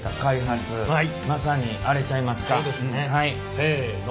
せの。